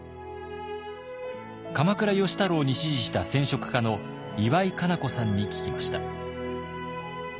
鎌倉芳太郎に師事した染織家の岩井香楠子さんに聞きました。